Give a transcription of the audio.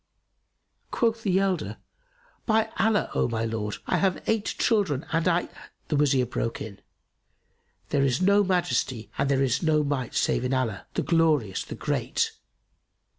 Quoth the elder, "By Allah, O my lord, I have eight children and I"— The Wazir broke in, "There is no Majesty and there is no Might save in Allah, the Glorious, the Great!